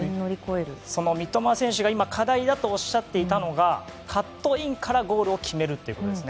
その三笘選手が今課題だとおっしゃっていたのがカットインからゴールを決めるということです。